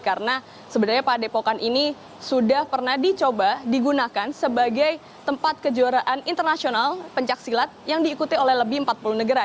karena sebenarnya pak depokan ini sudah pernah dicoba digunakan sebagai tempat kejuaraan internasional pencaksilat yang diikuti oleh lebih empat puluh negara